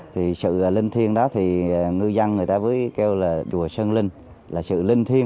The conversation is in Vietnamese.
thì sự linh thiên đó thì ngư dân người ta với kêu là chùa sơn linh là sự linh thiên